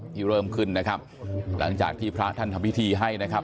เริ่มขึ้นนะครับหลังจากที่พระท่านทำพิธีให้นะครับ